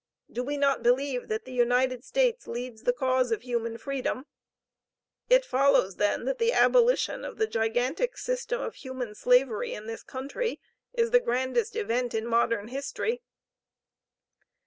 Do we not believe that the United States leads the cause of human freedom? It follows then that the abolition of the gigantic system of human slavery in this country is the grandest event in modern history.